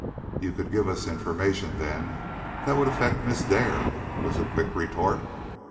"You could give us information, then, that would affect Miss Dare?" was the quick retort.